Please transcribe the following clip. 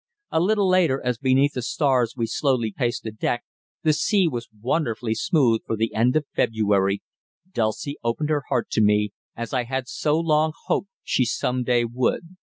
A little later, as beneath the stars we slowly paced the deck the sea was wonderfully smooth for the end of February Dulcie opened her heart to me, as I had so long hoped she some day would.